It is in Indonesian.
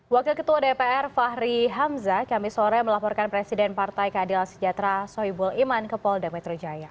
wakil ketua dpr fahri hamzah kami sore melaporkan presiden partai keadilan sejahtera soebul iman ke polda metro jaya